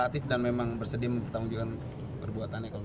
tim kuasa hukum menjawab